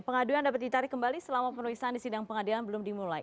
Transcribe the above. pengaduan dapat ditarik kembali selama penulisan di sidang pengadilan belum dimulai